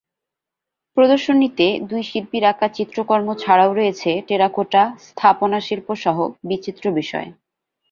প্রদর্শনীতে দুই শিল্পীর আঁকা চিত্রকর্ম ছাড়াও রয়েছে টেরাকোটা, স্থাপনাশিল্পসহ বিচিত্র বিষয়।